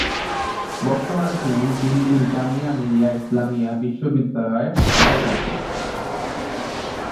বর্তমানে তিনি দিল্লির জামিয়া মিলিয়া ইসলামিয়া বিশ্ববিদ্যালয়ের উপাচার্য।